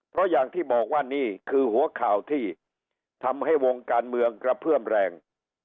เพราะอย่างที่บอกว่านี่คือหัวข่าวที่ทำให้วงการเมืองกระเพื่อมแรง